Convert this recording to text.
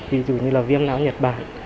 ví dụ như là viêm nã nhật bản